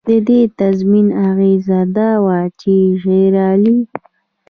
د دې تضمین اغېزه دا وه چې شېرعلي.